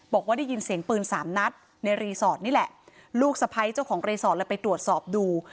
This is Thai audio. บอกว่าได้ยินเสียงปืนสามนัดในรีสอร์ทนี่แหละลูกสะพ้ายเจ้าของรีสอร์ทเลยไปตรวจสอบดู